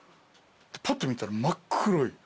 パッと見たら真っ黒い。